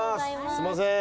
すいません。